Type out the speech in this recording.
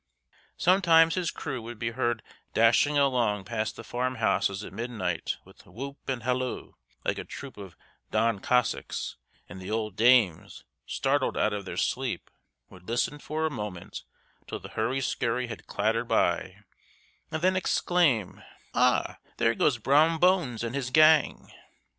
Sometimes his crew would be heard dashing along past the farm houses at midnight with whoop and halloo, like a troop of Don Cossacks, and the old dames, startled out of their sleep, would listen for a moment till the hurry scurry had clattered by, and then exclaim, "Ay, there goes Brom Bones and his gang!"